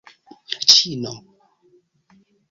ĉino